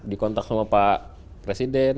dikontak sama pak presiden